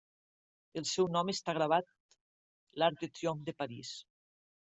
El seu nom està gravat l'Arc de Triomf de París.